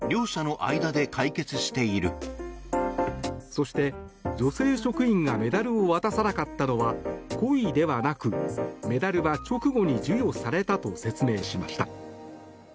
そして、女性職員がメダルを渡さなかったのは故意ではなくメダルは直後に授与されたと説明しました。